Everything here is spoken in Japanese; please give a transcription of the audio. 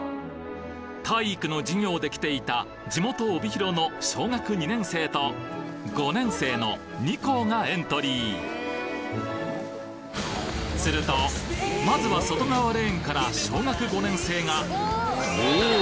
体育の授業で来ていた地元帯広の小学２年生と５年生の２校がエントリーするとまずは外側レーンから小学５年生がおお！